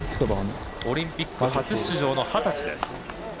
オリンピック初出場の二十歳です。